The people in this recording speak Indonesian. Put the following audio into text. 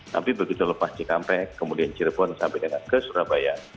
tapi begitu lepas cikampek kemudian cirebon sampai dengan ke surabaya